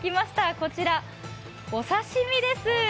こちら、お刺身です。